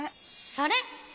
それ！